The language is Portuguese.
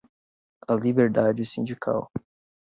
a liberdade sindical